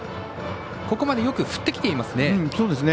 ここまでよく振ってきていますね。